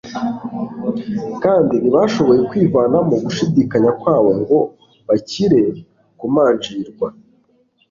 kandi ntibashoboye kwivanamo gushidikanya kwabo ngo bakire kumanjirwa.